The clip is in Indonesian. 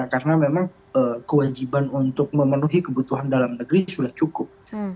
karena memang kewajiban untuk memenuhi kebutuhan dalam negeri sudah cukup